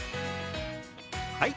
はい！